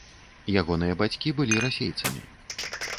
Ягоныя бацькі былі расейцамі.